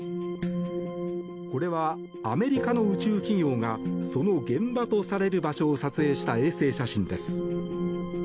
これはアメリカの宇宙企業がその現場とされる場所を撮影した衛星写真です。